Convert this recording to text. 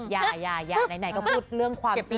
อย่าอย่าอย่าไหนก็พูดเรื่องความจริงแล้ว